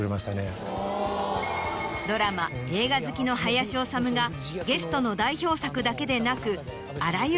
ドラマ映画好きの林修がゲストの代表作だけでなく。